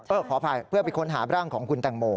ขออภัยเพื่อไปค้นหาร่างของคุณแตงโม